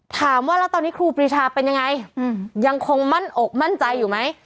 ถามว่าแล้วตอนนี้ครูปรีชาเป็นยังไงยังคงมั่นอกมั่นใจอยู่ไหม